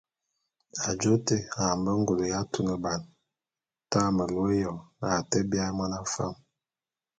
Ajô te a mbe ngule ya tuneban tañe melu éyoñ a te biaé mona fam.